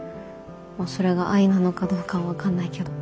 まあそれが愛なのかどうかは分かんないけど。